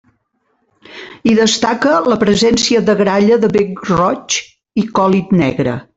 Hi destaca la presència de gralla de bec roig i còlit negre.